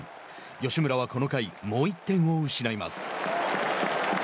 吉村はこの回もう１点を失います。